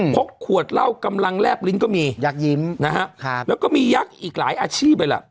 ขวดเหล้ากำลังแลบลิ้นก็มียักษ์ยิ้มนะฮะแล้วก็มียักษ์อีกหลายอาชีพเลยล่ะ